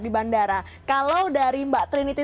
di bandara kalau dari mbak trinity